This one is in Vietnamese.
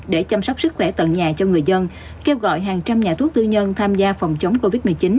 để chăm sóc sức khỏe tận nhà cho người dân kêu gọi hàng trăm nhà thuốc tư nhân tham gia phòng chống covid một mươi chín